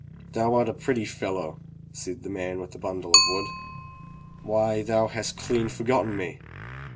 "Thou art a pretty fellow," said the man with the bimdle of wood. "Why, thou hast clean forgotten me!"